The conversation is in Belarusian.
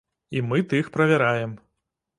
І мы тых правяраем.